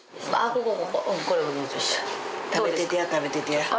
食べててや食べててや。